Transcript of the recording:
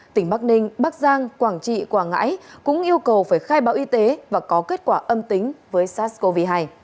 tỉnh bắc ninh bắc giang quảng trị quảng ngãi cũng yêu cầu phải khai báo y tế và có kết quả âm tính với sars cov hai